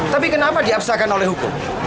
tapi kenapa diabsahkan oleh hukum